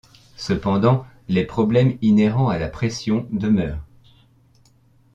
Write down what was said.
Cependant les problèmes inhérents à la pression demeurent.